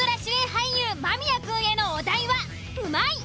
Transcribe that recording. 俳優間宮くんへのお題は「うまい」。